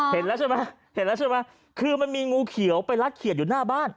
เห็นแล้วใช่ไหมเห็นแล้วใช่ไหมคือมันมีงูเขียวไปรัดเขียดอยู่หน้าบ้าน